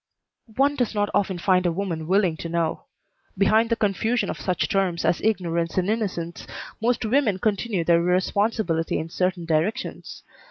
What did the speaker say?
"One does not often find a woman willing to know. Behind the confusion of such terms as ignorance and innocence most women continue their irresponsibility in certain directions.